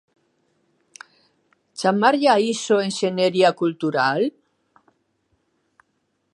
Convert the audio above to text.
Chamarlle a iso enxeñería cultural?